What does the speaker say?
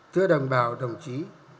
thưa đồng bào đồng chí